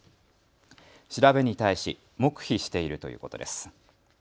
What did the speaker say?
調べに対し黙秘しているということです。